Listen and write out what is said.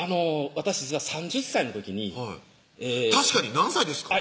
私実は３０歳の時に確かに何歳ですか？